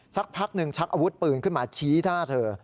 สักพักหนึ่งชักอาวุธปืนขึ้นมาชี้หน้าเธอ